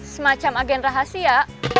semacam agen rahasia